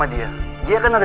ah tahu caneng lo